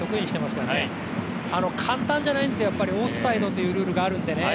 簡単じゃないんですよ、オフサイドというルールがあるんでね。